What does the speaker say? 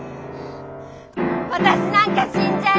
私なんか死んじゃえ！